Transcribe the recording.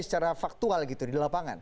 secara faktual gitu di lapangan